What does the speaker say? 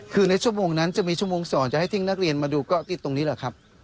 คือในชั่วโมงนั้นจะมีชั่วโมงสอนจะให้ทิ้งนักเรียนมาดูก็ตรงนี้แหละครับ